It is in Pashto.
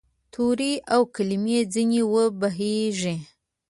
تورې او کلمې ځیني وبهیږې